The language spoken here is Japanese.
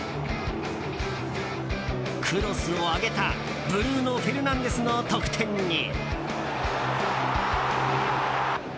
クロスを上げたブルーノ・フェルナンデスの得点に。